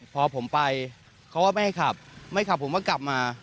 พอผมไปเขาก็ไม่ให้ขับไม่ขับผมก็กลับมา